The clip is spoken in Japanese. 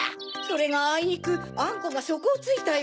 それがあいにくあんこがそこをついたよ。